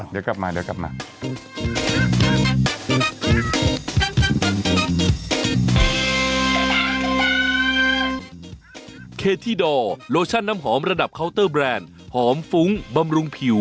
เดี๋ยวกลับมาแล้วหรือเปล่าเดี๋ยวกลับมา